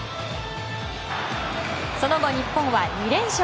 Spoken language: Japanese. その後、日本は２連勝。